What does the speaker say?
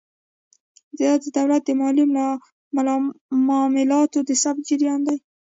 دا د دولت د مالي معاملاتو د ثبت جریان دی.